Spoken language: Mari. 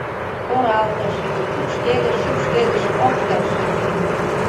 Торалтыш, шупшкедыш-шупшкедыш — ок келше: